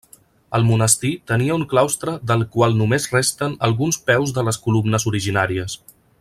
El monestir tenia un claustre del qual només resten alguns peus de les columnes originàries.